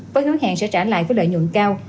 với hứa hẹn sẽ trả lại với lợi nhuận cao